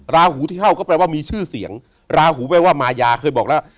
ราหูที่เข้าก็แปลว่ามีชื่อเสียงราหูแปลว่ามายาเคยบอกแล้ว